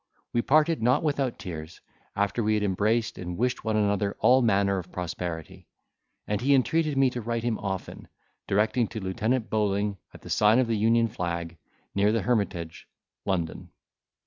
We parted not without tears, after we had embraced and wished one another all manner of prosperity: and he entreated me to write to him often, directing to Lieutenant Bowling, at the sign of the Union Flag, near the Hermitage, London.